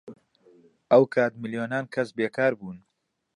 ئەو کات ملیۆنان کەس بێکار بوون.